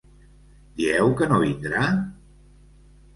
Dieu que no vindrà?